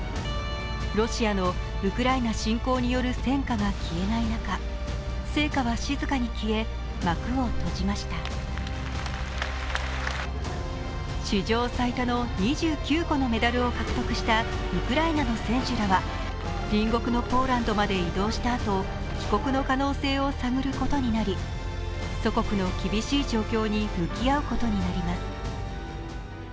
ロシアのウクライナ侵攻による戦火が消えない中、聖火は静かに消え、幕を閉じました史上最多の２９個のメダルを獲得したウクライナの選手らは隣国のポーランドまで移動したあと、帰国の可能性を探ることになり、祖国の厳しい状況に向き合うことになります。